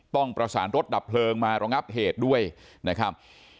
ต้องประสานรถดับเพลิงมาระงับเหตุด้วยนะครับ